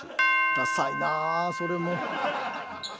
ダサいなあそれも。